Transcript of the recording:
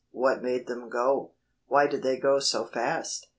"What made them go?" "Why do they go so fast?"